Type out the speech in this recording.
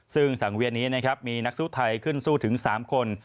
ซึ่งสังเวียนนี้นะครับมีนักสู้ไทยขึ้นสู้ถึง๓คน